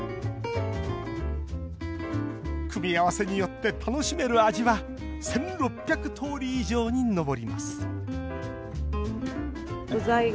組み合わせによって楽しめる味は１６００通り以上に上ります